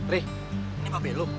re ini pak belu